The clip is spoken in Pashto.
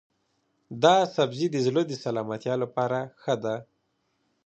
دا سبزی د زړه د سلامتیا لپاره ښه دی.